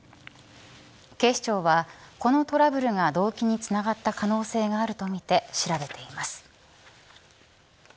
警視庁はこのトラブルが動機につながった可能性があるとみて調べています。